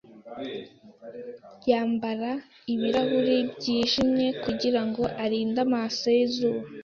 Yambara ibirahuri byijimye kugirango arinde amaso ye izuba.